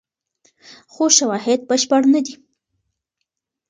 خو شواهد بشپړ نه دي.